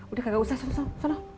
udah gak usah suruh suruh